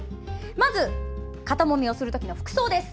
まず肩もみをするときの服装です。